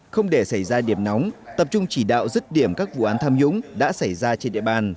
không để xảy ra điểm nóng tập trung chỉ đạo rứt điểm các vụ án tham nhũng đã xảy ra trên địa bàn